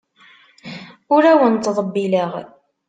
Ur awen-ttḍebbileɣ.